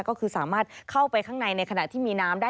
ก็คือสามารถเข้าไปข้างในในขณะที่มีน้ำได้